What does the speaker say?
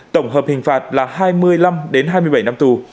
tổng hợp hình phạt là hai mươi năm đến hai mươi bảy năm tù